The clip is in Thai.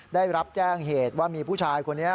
ได้รับแจ้งเหตุว่ามีผู้ชายคนนี้